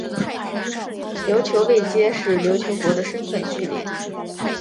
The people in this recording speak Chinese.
琉球位阶是琉球国的身分序列。